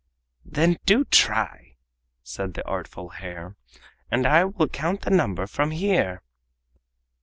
"Then do try," said the artful hare, "and I will count the number from here!"